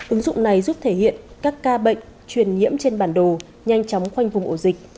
ứng dụng này giúp thể hiện các ca bệnh truyền nhiễm trên bản đồ nhanh chóng khoanh vùng ổ dịch